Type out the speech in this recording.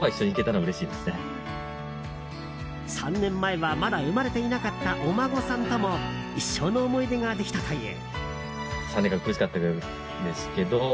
３年前はまだ生まれていなかったお孫さんとも一生の思い出ができたという。